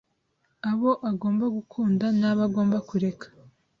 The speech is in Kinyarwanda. abo agomba gukunda nabo agomba kureka.